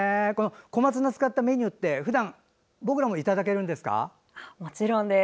小松菜を使ったメニューってふだんもちろんです。